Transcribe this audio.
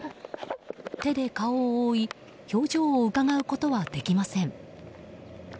手で顔を覆い表情をうかがうことはできません。